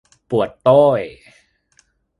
ปวดโต้ย !